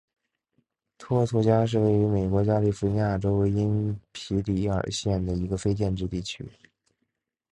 托图加是位于美国加利福尼亚州因皮里尔县的一个非建制地区。